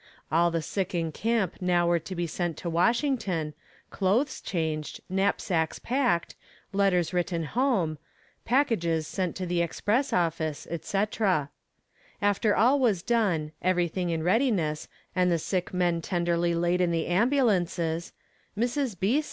All the sick in camp now were to be sent to Washington, clothes changed, knapsacks packed, letters written home, packages sent to the express office, etc. After all was done, everything in readiness, and the sick men tenderly laid in the ambulances, Mrs. B.